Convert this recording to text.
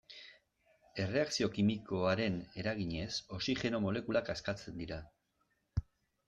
Erreakzio kimikoaren eraginez, oxigeno molekulak askatzen dira.